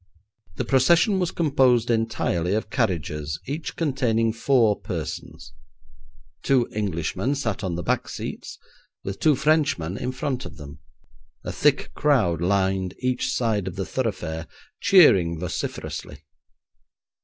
The procession was composed entirely of carriages, each containing four persons two Englishmen sat on the back seats, with two Frenchmen in front of them. A thick crowd lined each side of the thoroughfare, cheering vociferously.